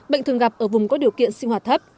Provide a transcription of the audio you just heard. bệnh thường gặp ở vùng có điều kiện sinh hoạt thấp